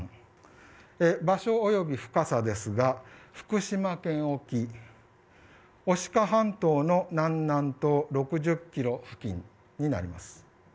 場所及び深さですが福島県沖牡鹿半島の南南東６０キロ付近になります。